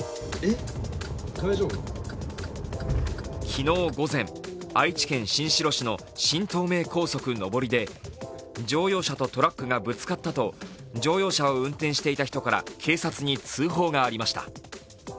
昨日午前、愛知県新城市の新東名高速上りで乗用車とトラックがぶつかったと乗用車を運転していた人から警察に通報がありました。